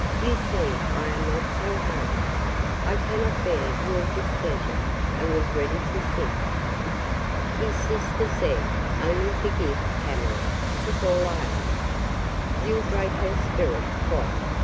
you see I am not so hardy! I cannot bear your displeasure! And was ready to sink. His sister said, Only forgive Pamela; 'tis all I ask—You'll break her spirit quite!